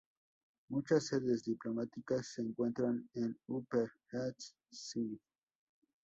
Muchas sedes diplomáticas se encuentran en Upper East Side.